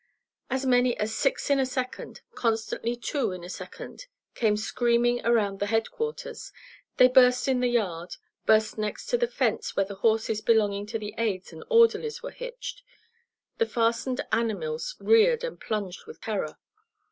"As many as six in a second, constantly two in a second came screaming around the headquarters. They burst in the yard; burst next to the fence where the horses belonging to the aids and orderlies were hitched. The fastened animals reared and plunged with terror.